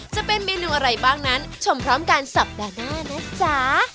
จะเป็นเมนูอะไรบ้างนั้นชมพร้อมกันสัปดาห์หน้านะจ๊ะ